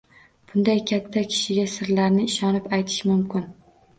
Bunday katta kishiga sirlarni ishonib aytish mumkin